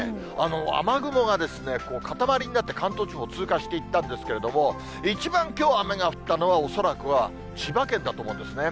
雨雲が塊になって関東地方を通過していったんですけれども、一番きょう雨が降ったのは、恐らくは千葉県だと思うんですね。